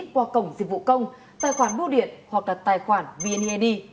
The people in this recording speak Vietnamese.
qua cổng dịch vụ công tài khoản bưu điện hoặc đặt tài khoản vned